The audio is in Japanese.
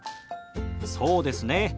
そうですね。